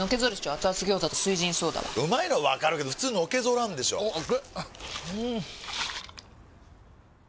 アツアツ餃子と「翠ジンソーダ」はうまいのはわかるけどフツーのけぞらんでしょアツ！